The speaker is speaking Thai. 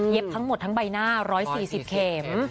เย็บทั้งหมดทั้งใบหน้า๑๔๐เคม